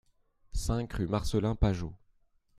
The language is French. cinq rue Marcellin Pajot